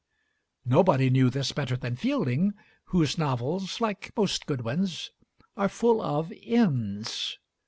Nobody knew this better than Fielding, whose novels, like most good ones, are full of inns.